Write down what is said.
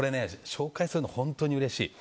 紹介するの本当にうれしい。